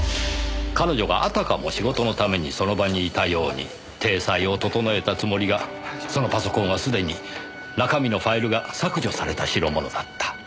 彼女があたかも仕事のためにその場にいたように体裁を整えたつもりがそのパソコンはすでに中身のファイルが削除された代物だった。